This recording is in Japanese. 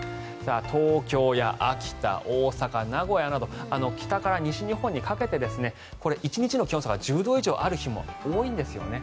東京や秋田、大阪、名古屋など北から西日本にかけてこれは１日の気温差が１０度以上ある日も多いんですよね。